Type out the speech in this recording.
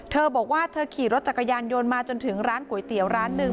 เธอบอกว่าเธอขี่รถจักรยานยนต์มาจนถึงร้านก๋วยเตี๋ยวร้านหนึ่ง